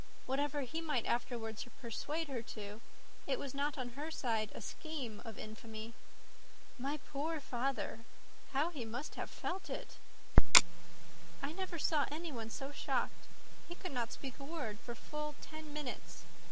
Whatever he might afterwards persuade her to, it was not on her side a scheme of infamy. My poor father! how he must have felt it!" "I never saw anyone so shocked. He could not speak a word for full ten minutes.